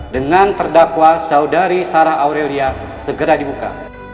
dengan terdakwa saudari sarah aurelia segera dibuka